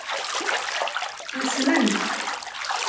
Tusmemt.